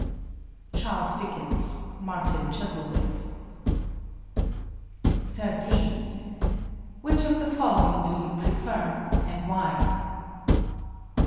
CHARLES DICKENS, Martin Chuzzlewit. 13. Which of the following do you prefer, and why?